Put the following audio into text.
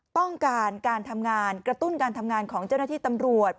ต้องการการทำงานกระตุ้นการทำงานของเจ้าหน้าที่ตำรวจ